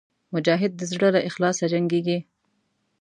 مجاهد د زړه له اخلاصه جنګېږي.